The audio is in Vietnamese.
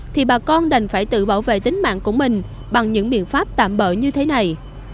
thì bà con đành phải tự bảo vệ tính mạng của mình bằng những biện pháp tạm bỡ như thế này